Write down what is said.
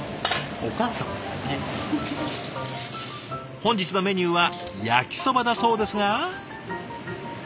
本日のメニューは焼きそばだそうですが。